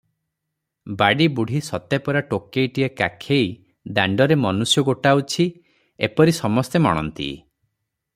ବାଡ଼ି ବୁଢ଼ୀ ସତେ ପରା ଟୋକେଇଟିଏ କାଖେଇ ଦାଣ୍ଡରେ ମନୁଷ୍ୟ ଗୋଟାଉଛି, ଏପରି ସମସ୍ତେ ମଣନ୍ତି ।